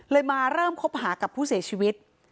มาเริ่มคบหากับผู้เสียชีวิต